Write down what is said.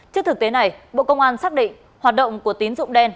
trước thực tế này bộ công an xác định hoạt động của tín dụng đen